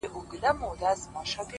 هغه ليونی سوی له پايکوبه وځي!